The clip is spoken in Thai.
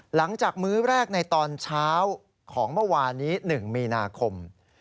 มื้อแรกในตอนเช้าของเมื่อวานนี้๑มีนาคม